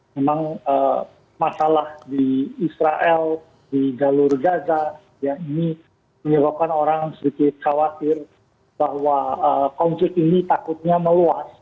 memang masalah di israel di jalur gaza ini menyebabkan orang sedikit khawatir bahwa konflik ini takutnya meluas